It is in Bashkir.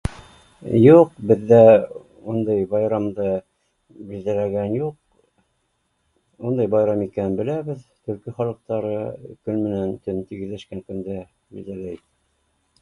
Юҡ, беҙҙә ундай байрамды билдәләгән юҡ, ундай байрам икәнен беләбеҙ, төрки халыҡтары көн менән төн тигеҙләшкән көндә билдәләй